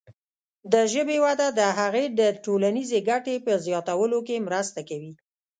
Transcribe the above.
د ژبې وده د هغې د ټولنیزې ګټې په زیاتولو کې مرسته کوي.